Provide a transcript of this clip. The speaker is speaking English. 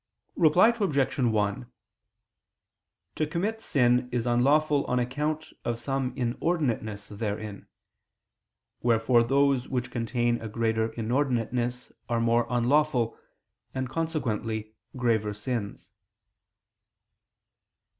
Reply Obj. 1: To commit sin is unlawful on account of some inordinateness therein: wherefore those which contain a greater inordinateness are more unlawful, and consequently graver sins.